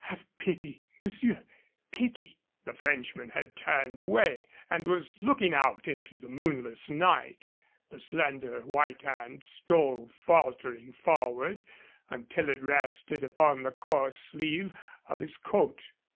"Have pity, monsieur pity!" The Frenchman had turned away and was looking out into the moonless night. The slender white hand stole faltering forward until it rested upon the coarse sleeve of his coat.